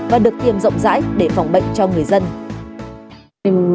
và được tiêm rộng rãi để phòng bệnh cho người dân